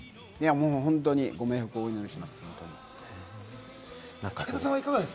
本当にご冥福をお祈りします。